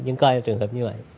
nhưng coi trường hợp như vậy